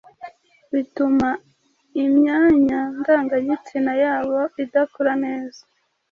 bituma imyanya ndagagitsina yabo idakura neza,